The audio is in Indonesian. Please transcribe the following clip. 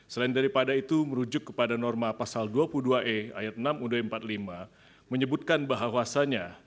selain daripada itu merujuk kepada norma pasal dua puluh dua e ayat enam ud empat puluh lima menyebutkan bahwasannya